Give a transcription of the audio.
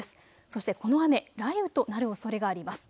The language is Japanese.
そしてこの雨、雷雨となるおそれがあります。